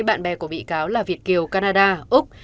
bạn bè của bị cáo là việt kiều canada úc